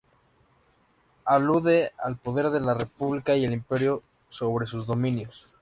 Alude al poder de la República y el Imperio, sobre sus dominios.